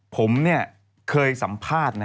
ผมเนี่ยเคยสัมภาษณ์นะ